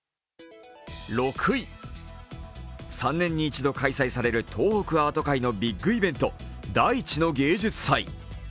６位、３年に一度開催される東北アート界のビッグイベント、大地の芸術祭。